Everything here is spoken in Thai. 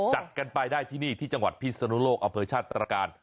จัดกันไปได้ที่นี่ที่จังหวัดพิศนุโลกอำเภอชาติตรการ